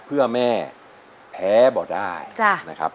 เพื่อแม่แพ้บ่ได้นะครับ